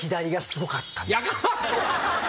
やかましいわ！